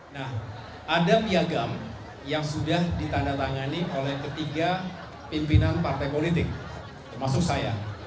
nah ada piagam yang sudah ditandatangani oleh ketiga pimpinan partai politik termasuk saya